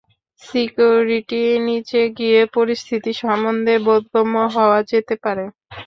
Security, নিচে গিয়ে পরিস্থিতি সম্বন্ধে বোধগম্য হওয়া যেতে পারে?